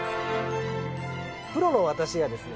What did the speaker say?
プロの私がですね